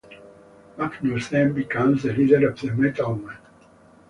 Magnus then becomes the leader of the Metal Men.